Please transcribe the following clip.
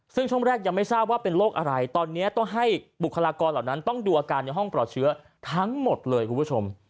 ซึ่งช่วงแรกยังไม่ทราบว่าเป็นโรคอะไรตอนนี้ต้องให้บุคลากรเหล่านั้นต้องดูอาการในห้องปลอดเชื้อทั้งหมดเลยคุณผู้ชม